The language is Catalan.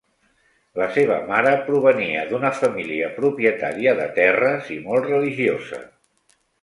La seva mare provenia d'una família propietària de terres i molt religiosa.